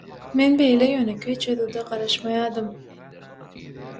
Men beýle ýönekeý çözgüde garaşmaýardym